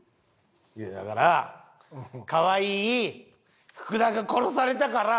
いやだから可愛い福田が殺されたから後輩の。